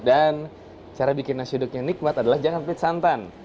dan cara bikin nasi uduknya nikmat adalah jangan pilih santan